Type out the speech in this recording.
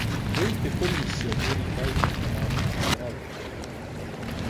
Eikö komissio pyri vaikuttamaan jäsenvaltioihin?